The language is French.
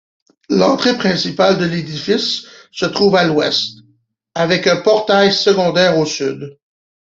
L'entrée principale de l'édifice se trouve à l'ouest, avec un portail secondaire au sud.